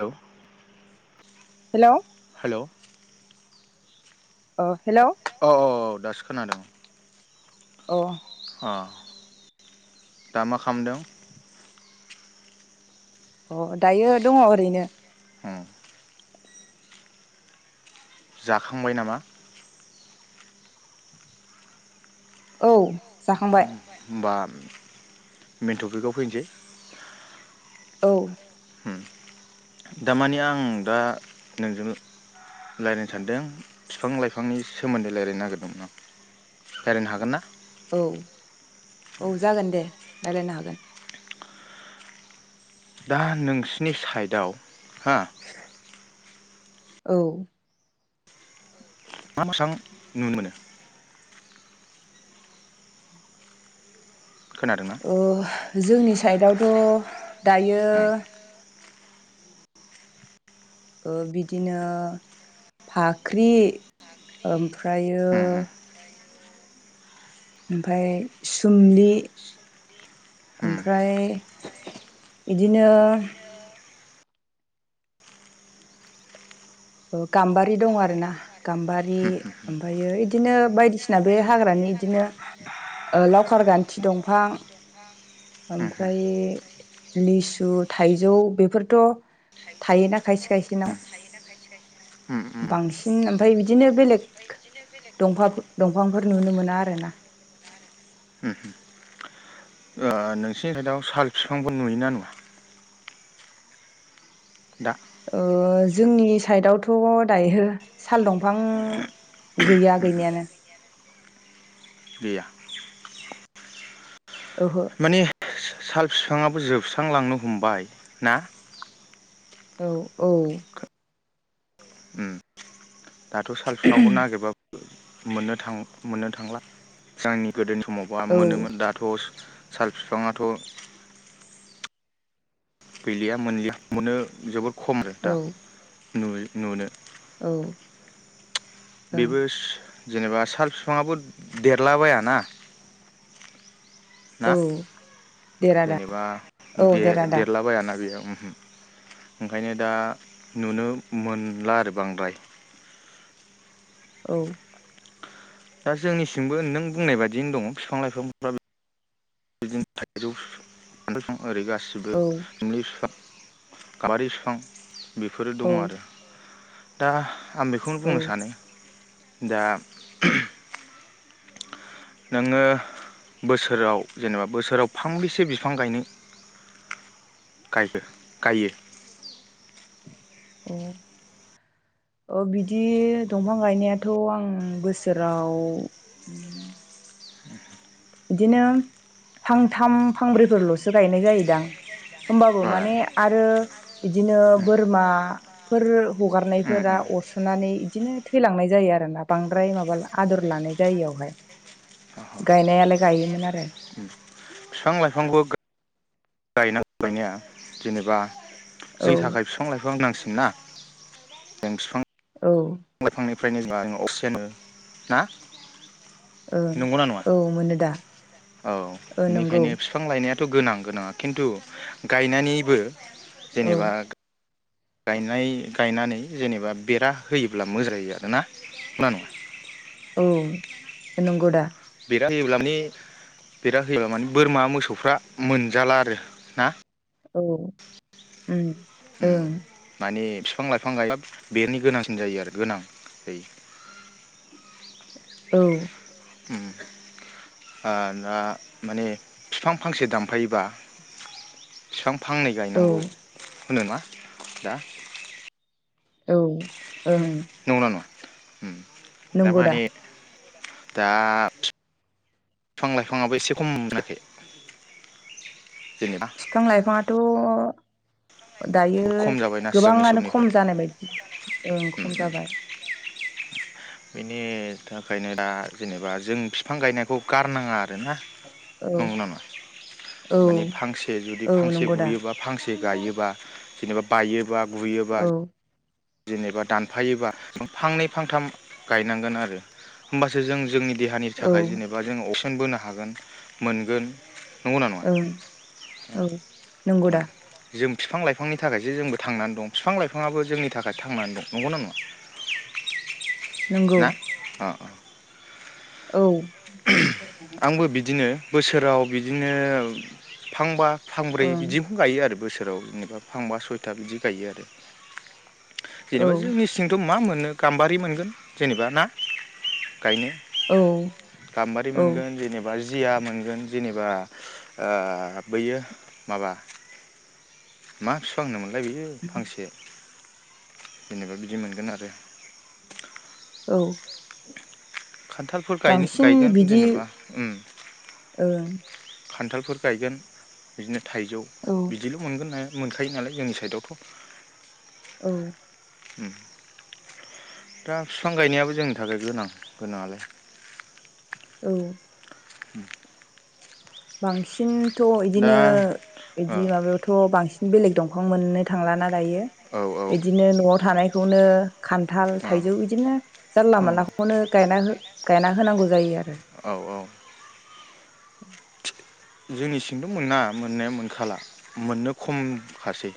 Hello hello [unintelligible] अ hello औ औ औ दासो खोनादों। अ अ दा मा खालामदों? अ दायो दङ ओरैनो। होम जाखांबाय नामा? औ जाखांबाय बाम मेन टपिकाव फैनोसै औ हम तामाने आं दा नोंजों रायलायनो सानदों बिफां लाइफांनि सोमोन्दै रायलायनो नागिरदोंमोन आं रायलायनो हागोन ना? औ औ जागोन दे। रायलायनो हागोन। दा नोंसिनि साइदआव हा औ मा [unintelligible] नुनो मोनो? खोनादोंना ओ जोंनि सि साइदआवथ' दायो उम ओ बिदिनो फाख्रि ओमफ्रायो ओमफ्राय सुमलि उम ओमफ्राय इदिनो ओ गाम्बारि दं आरोना गाम्बारि ओमफायो इदिनो बायदिसिना बे हाग्रानि इदिनो ओ लावखार गान्थि दंफां उम ओमफ्राय लिसु थाइजौ बेफोरथ' थायोना खायसे खायसेनाव। उम बांसिन ओमफाय बिदिनो बेलेग दंफां दंफांफोर नुनो मोना आरो ना। उम ओ नोंसिनि सायेदायाव साल फिफांफोर नुयोना नुया? दा ओ जोंनि सायेदआवथ' दायो साल दंफां गैया गैनायानो। गैया ओहो माने साल फिफांआबो जोबस्रांलांनो हमबाय ना? औ औ उम दाथ' साल फिफांखौ नागिरबाब मोननो थां मोननो थांला जोंनि गोदोनि मौबा मोनोमोन औ दाथ'स साल बिफांआथ गैलिया मोनलिया मोननो जोबोद खम रेटआ नुयो नुनो औ बेबोस जेनेबा साल फिफाङाबो देरलाबायाना। ना औ देर आदा जेनेबा औ देर आदा देरलाबायाना बेयावम उम ओंखायनो दा नुनो मोनला आरो बांद्राय औ दा जोंनिसिमबो नों बुंनाय बायिनो दङ बिफां लाइफांफ्रा बि [unintelligible] ओरै गासिबो औ सोमलि फिफां गाबारि फिफां बेफोरो औ दं आरो दा आं बेखौनो औ बुंनो सानो दा नोंङो बोसोराव जेनेबा बोसोराव फांबेसे बिफां गायनो गायखो गायो अ अ बिदि दंफां गायनायाथ' आं बोसोराव बिदिनो फांथाम फांब्रैफोरल'सो गायनाय जायोदां होमबाबो ओ माने आरो बिदिनो उम बोरमाफोर उम हगारनायफोरा अरस'नानै इदिनो थैलांनाय जायो आरोना बांद्राय माबा आदर लानाय जाययावहाय उम गायनायालाय गायोमोन आरो फिफां लाइफांबो गा गायनां गायनाया जेनेबा औ जोंनि थाखाय बिफां लाइफां गोनांसि सिना जों फिफां औ फ्रायनो जों लानाय अक्सिजेनो मोनो ना ओ नंगौना नङा औ मोनो दा ओ नंगौ थ' गोनां गोनांङा खिन्थु गायनानैबो औ जेनेबा गायनाय गायनानै जेनेबा बेरा होयोब्ला मोजां जायो आरोना नंगौना नंङा औ नोंगौदा बेरा होयोब्ला माने बेरा होयोब्ला माने बोरमा मोसौफ्रा मोनजाला आरो ना औ उम उम ओं माने फिफां लाइफां गायब्ला बेनि गोनांसिन जायो आरो गोनां जायो औ उम ओ आ दा माने फिफां फांसे दानफायोबा फिफां फांनै औ गायनांगौ होनोना दा औ ओं नंगौना नङा उम दा माने दा फि फां लाइफांङाबो एसे खम मोनाखै फिफां लाइफांङाथ' दायो बहुद खम जाबायना सिगांनि गोबांङानो समनिफ्राय खम जानाय बायदि ओं उम खम उम जाबाय। बेनि थाखायनो दा जेनेबा जों फिफां गायनायखौ गारनांङा। आरोना औ नंगौना नंङा औ माने फांसे जुदि औ फांसे नंगौ दा गुयोबा फांसे गायोबा जेनेबा बायो बा गुयोबा। औ जेनेबा दानफायोबा फांनै फांथाम गायनांगोन आरो होमबासो जों जोंनि देहानि औ थाखाय जेनेबा जों क्सिजेन बोनो हागोन मोनगोन। नंगौना नङा औ औ नंगौ उम दा। जों बिफां लाइफांनि थाखायसो जोंबो थांनानै दं बिफां लाइफाङाबो जोंनि थाखाय थांनानै दं नंगौना नङा। नंगौ ना अ अ। औ। आंबो बिदिनो बोसोराव बिदिनो फांबा फांब्रै ओं बिदिखौ गायो आरो बोसो बोसोराव जेनेबा फांबा सयथा बिदि गायो आरो। औ जेनेबा जोंनि सिंथ' मा मोनो नो गाम्बारि मोनगोन जेनेबा ना। गायनो औ गामबा रि औ मोनगोन जेनेबा जिया मोनगोन जेनेबा ओ बैयो माबा। मा बिफां होनोमोन। लाय बियो फांसे। जेनेबा बिदि मोनगोन आरो। औ। खान्थालफोर बांसिन गायगोन बिदि जेनेबा उम। ओं खान्थालफोर गायगोन बिदिनो थाइजौ औ बिदिल' मोनगोन। मोनखायो नालाय जोंनि साइदआवथ'। औ। उम दा बिफां गायनायाबो जोंनि थाखाय गोनां गोनाङालाय। औ। होम बांसिन। थ' दा बिदिनो ओ बिदि माबायावथ' बांसिन। बेलेग दंफां मोननो थांलाना। औ बिदिनो न'आव थानाय। बेखौनो। खान्थाल औ थाइजौ बिदिनो जानला ओं मोनलाखौनो गायना गायना होनांगौ जायो आरो। औ जोंनि थिंथ' मोना मोननाया मोनखाला मोननो खमखासै।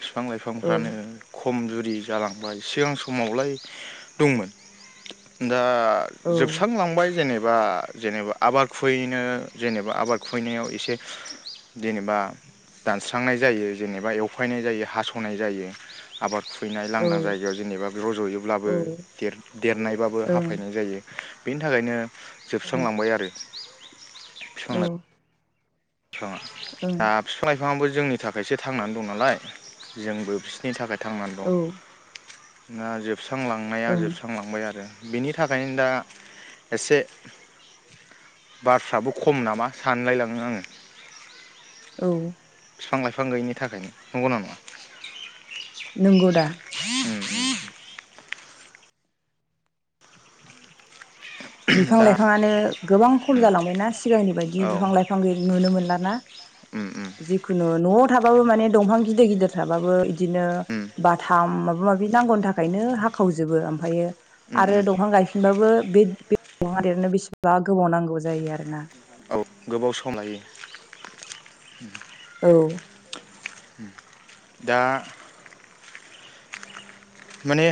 बिफां औ लाइफांफ्रानो खम जु। जालांबाय सिगां समावलाय दंमोन। दा औ जोबस्रांलांबाय जेनेबा। जेनेबा आबाद खुयैनो जेनेबा आबाद। खुबैनायाव एसे जेनेबा दानस्रांनाय जायो जेनेबा एवफायनाय जायो हास'नाय जायो आबाद खु फैनाय औ लांदां जायगायाव जेनेबा रज'योब्लाबो औ दे देरनायबाबो ओं हाफायनाय जायो। बेनि थाखायनो। जोबस्रांलांबाय आरो। औ बिफांङा ओ ओं फिफां बिफाङाबो जोंनि थाखायसो थांनानै दं नालाय जोंबो बिसोरनि थाखाय- थांनानै औ दं। ना जो जोबस्रांलांनाया ओं जोबस्रांलांबाय आरो। बिनि थाखायनो दा एसे बारफ्राबो खम नामा सानलायलाङो आङो। औ। बिफां लाइफां गैयिनि थाखायनो नंगौना नङा? नंगौ दा उम उम। उम बिफां दा लाइफाङानो गोबां खम उम जालांबायना सिगांनि बायदि औ बिफां लाइफां गैय नुनो मोनला। ना। उम उम जिखुनु न' थाबाबो माने दंफां गिद गिदिर थाबाबो। बिदिनो उम बाथाम माबा माबि। नांगौ थाखाय। नो हावजोबो ओमफायो उम उम आरो दंफां गायफिनबाबो बे बे। नादेरनो बेसेबा गोबाव नांगौ जायो आरो ना? औ गोबाव सम [unintelligible] लायो औ दा माने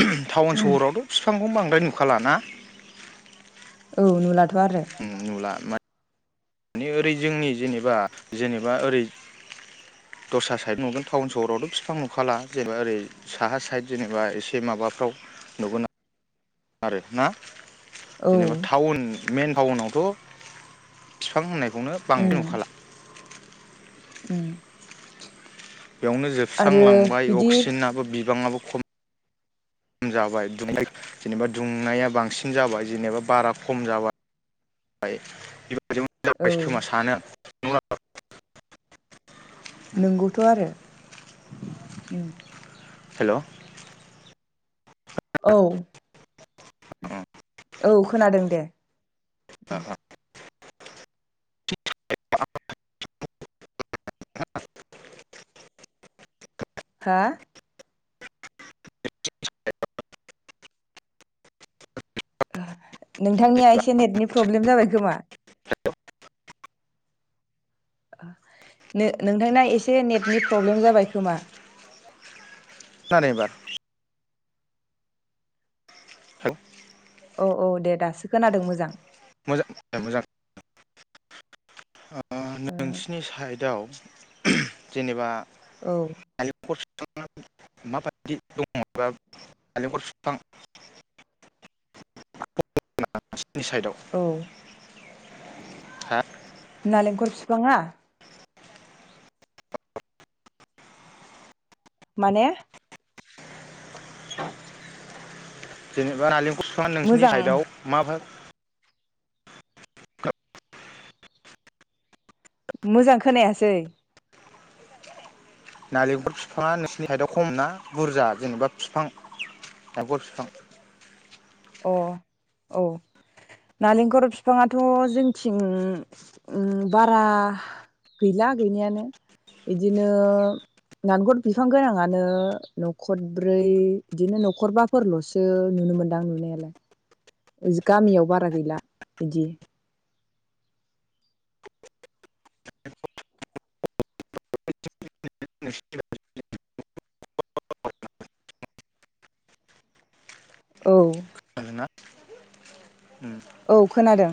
टाउन सहरावथ' फिफांखौ बां बांद्राय नुखा लाना? औ नुलाथ' आरो? नुला मे ओरै जोंनि जेनेबा जेनेबा ओरै दस्रा साइद नुगोन टाउन सहरावथ' बिफां नुखाला जेनेबा ओरै साहा साइद जेनेबा एसे माबाफ्राव नुगोन आरो आरो ना औ जेनेबा थटाउन मेन टाउनावथ' फिफां होननाय बेखौनो बांद्राय उम नुखाला उम बेयावनो आरो जोबस्रांलांबाय बिदि अक्सिजेनाबो बिबाङाबो ख खम जाबाय दनाय जेनेबा दुंनाया बांसिन जाबाय जेनेबा बारा खम जाबाय जों जाबाय औ खोमा सानो [inaudible] नोंगौथ' आरो ओ हेलौ औ औ खोनादों दे [unintelligible] [inaudible] हा? [unintelligible] [unintelligible] नोंथांनिया एसे नेटनि प्रब्लेम जाबाय खोमा नों नोंथांना एसे नेटनि प्रब्लेम जाबाय खोमा? खोनादों एबार औ औ औ दे दासो खोनादों मोजां मोजां मोजां ओ नोंसिनि साइडआव जेनेबा औ [unintelligible] माबायदि दङबा नालेंखर बिफां [unintelligible] नि साइदआव औ नालेंखर बिफाङा माने जेनबा आलि बिफांया नोंसोरनि मोजां साइदाव मा मोजां खोनायासै नालेंखल बिफाङा नोंसिनि साइदआव खम ना बुरजा जेनेबा बिफां नालेंखल बिफां अ औ नालेंखर बिफाङाथ' जोंथिं उम बारा गैया-गैनायानो बिदिनो नालेंखर बिफां गोनाङानो न'खरब्रै बिदिनो न'खरबाफोरलसो नुनो मोन दां लुनायालाय जो गामियाव बारा गैला बिदि [unintelligible] [unintelligible] औ गोना औ खोनादों।